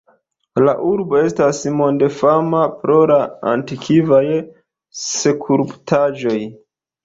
La urbo estas mondfama pro la antikvaj skulptaĵoj.